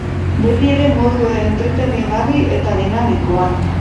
Beti ere modu entretenigarri eta dinamikoan.